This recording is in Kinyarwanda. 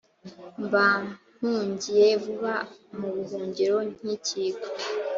mba mpungiye vuba mu buhungiro nkikinga